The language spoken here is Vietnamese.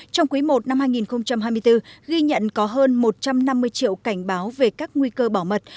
trong quý i năm hai nghìn hai mươi bốn ghi nhận có hơn một trăm năm mươi triệu cảnh báo về các nguy cơ bảo mật